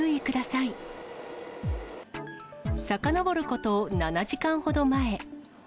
さかのぼること７時間ほど前。